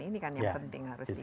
ini kan yang penting harus di